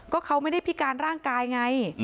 ก็เขาไม่ได้พิการร่างกายไง